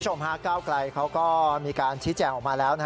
ผู้ชมฮะก้าวกลายเขาก็มีการชี้แจ้งออกมาแล้วนะฮะ